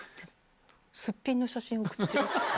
すっぴんの写真送ってる。